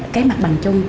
cái mặt bằng chung